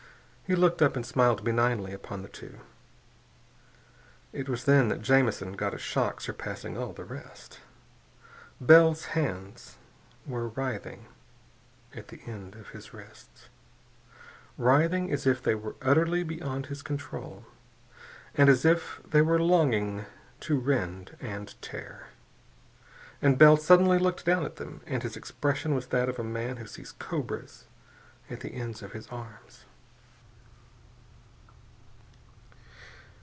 He looked up and smiled benignly upon the two. It was then that Jamison got a shock surpassing all the rest. Bell's hands were writhing at the ends of his wrists, writhing as if they were utterly beyond his control and as if they were longing to rend and tear.... And Bell suddenly looked down at them, and his expression was that of a man who sees cobras at the ends of his arms.